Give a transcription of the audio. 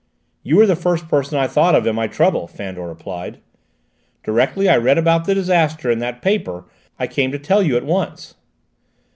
"You were the first person I thought of in my trouble," Fandor replied. "Directly I read about the disaster in that paper I came to tell you at once."